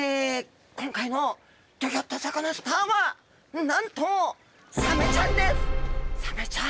今回の「ギョギョッとサカナ★スター」はなんとサメちゃん。